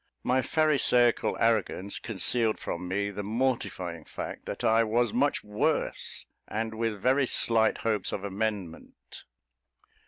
My pharisaical arrogance concealed from me the mortifying fact that I was much worse, and with very slight hopes of amendment.